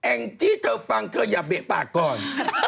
เองจี้เธอฟังเธอยะเปะปากก่อน